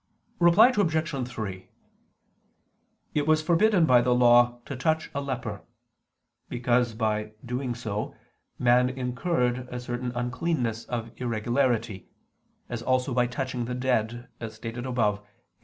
Reply Obj. 3: It was forbidden by the Law to touch a leper; because by doing so, man incurred a certain uncleanness of irregularity, as also by touching the dead, as stated above (Q.